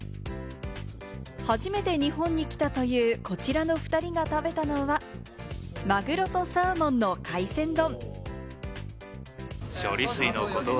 初めて日本に来たというこちらの２人が食べたのは、マグロとサーモンの海鮮丼。